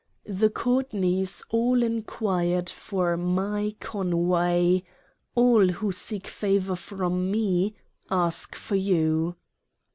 The Courtneys all enquired for MY CONWAY, all who seek favor from me, ask for you.